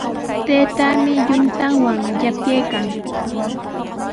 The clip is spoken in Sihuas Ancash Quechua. Taytaami yuntawan yapyaykan.